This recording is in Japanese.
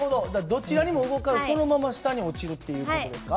どちらにも動かずそのまま下に落ちるっていう事ですか？